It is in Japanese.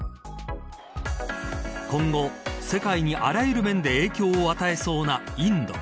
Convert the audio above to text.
今後、世界にあらゆる面で影響を与えそうなインド。